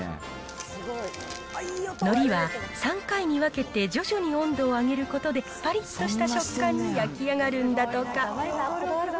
のりは３回に分けて徐々に温度を上げることで、ぱりっとした食感に焼き上がるんだとか。